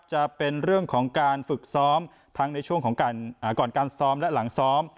จะเป็นเรื่องของการฝึกซ้อมทั้งในช่วงของการก่อนการซ้อมและหลังซ้อม